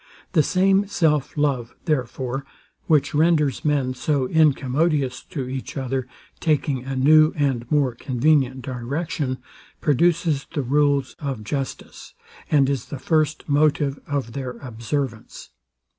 The same self love, therefore, which renders men so incommodious to each other, taking a new and more convenient direction, produces the rules of justice, and is the first motive of their observance.